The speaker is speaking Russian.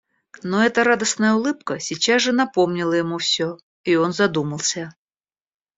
Но эта радостная улыбка сейчас же напомнила ему всё, и он задумался.